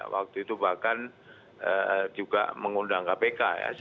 waktu itu bahkan juga mengundang kpk ya